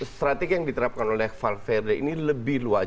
strategi yang diterapkan oleh valverde ini lebih luas